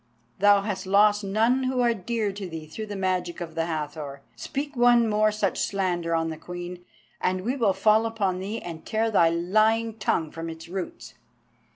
Thou hast lost none who are dear to thee through the magic of the Hathor. Speak one more such slander on the Queen, and we will fall upon thee and tear thy lying tongue from its roots."